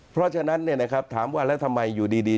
เพราะฉะนั้นนะครับถามว่าละทำไมอยู่ดี